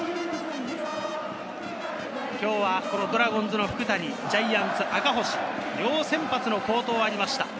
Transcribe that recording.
今日はドラゴンズの福谷、ジャイアンツ・赤星、両先発の好投がありました。